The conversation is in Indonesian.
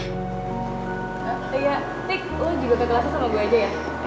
lo juga ke kelasnya sama gue aja ya